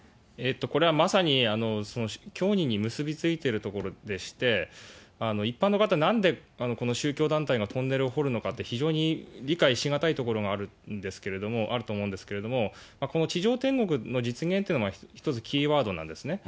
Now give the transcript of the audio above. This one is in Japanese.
これはまさに教義に結び付いてるところでして、一般の方、なんでこの宗教団体がトンネルを掘るのかって、非常に理解し難いところがあると思うんですけれども、この地上天国の実現というのは、一つキーワードなんですね。